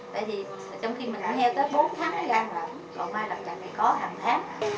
tại vì trong khi mình nghe tới bốn tháng nó ra là cầu mai lập trận thì có hàng tháng